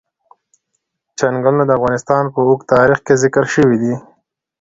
چنګلونه د افغانستان په اوږده تاریخ کې ذکر شوی دی.